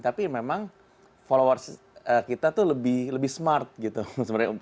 tapi memang followers kita itu lebih smart gitu